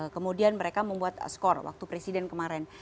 kemudian mereka membuat skor waktu presiden kemarin